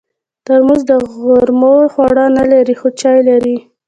ترموز د غرمو خواړه نه لري، خو چای لري.